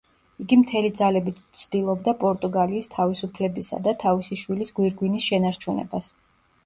იგი მთელი ძალებით ცდილობდა პორტუგალის თავისუფლებისა და თავისი შვილის გვირგვინის შენარჩუნებას.